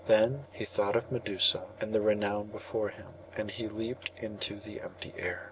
Then he thought of Medusa and the renown before him, and he leaped into the empty air.